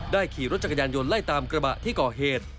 ขี่รถจักรยานยนต์ไล่ตามกระบะที่ก่อเหตุ